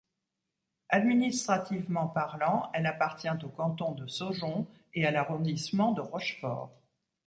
Administrativement parlant, elle appartient au canton de Saujon et à l’arrondissement de Rochefort.